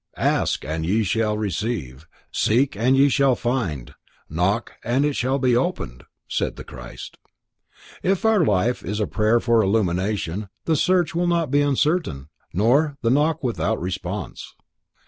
"Ask and ye shall receive, seek and ye shall find, knock and it shall be opened", said the Christ. If our life is a prayer for illumination, the search will not be uncertain, nor the knock without response.